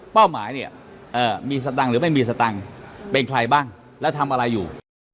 หมายเนี่ยมีสตังค์หรือไม่มีสตังค์เป็นใครบ้างแล้วทำอะไรอยู่